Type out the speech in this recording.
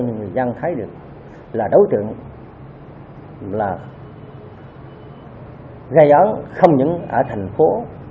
những người dân thấy được là đấu trưởng là anh gây án không những ở thành phố